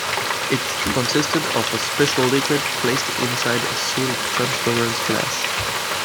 It consisted of a special liquid placed inside a sealed transparent glass.